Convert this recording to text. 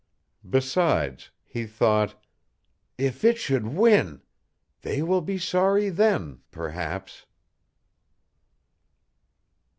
Besides, he thought, "If it should win! They will be sorry then, perhaps."